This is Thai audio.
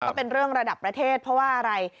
ก็เป็นเรื่องระดับประเทศเพราะว่าอะไร